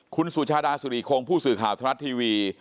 คุณสุชาดาสุริคงผู้สื่อข่าวทรัฐทีวี